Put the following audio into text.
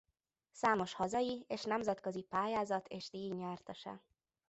Számos hazai és nemzetközi pályázat és díj nyertese.